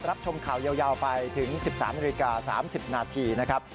รับชมข่าวยาวไปถึง๑๓น๓๐นาทีนะครับ